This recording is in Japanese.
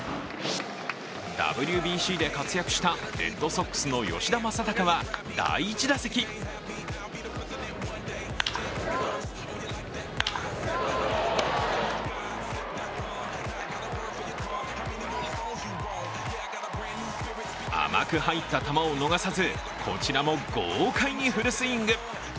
ＷＢＣで活躍したレッドソックスの吉田正尚は第１打席甘く入った球を逃さずこちらも豪快にフルスイング。